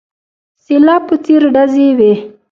سلاب په څېر ډزې وې.